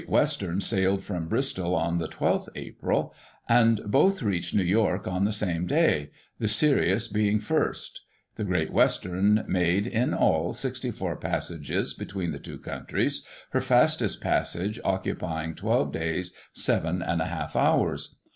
41 Western sailed from Bristol on the 12th April, and both reached New York on the same day, the Sirius being first. The Great Western made, in all, 64 passages between the two coim tries, her fastest passage occupying 12 days, 7}4 hours.